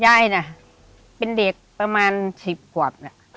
ย่ายเนี่ยเป็นเด็กประมาณชีวิตกว่า